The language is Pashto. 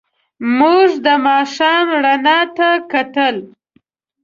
موږ د ماښام رڼا ته کتل.